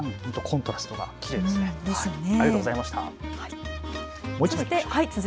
コントラストがきれいですね。